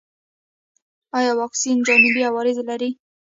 ایا واکسین جانبي عوارض لري؟